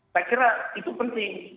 saya kira itu penting